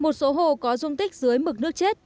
một số hồ có dung tích dưới mực nước chết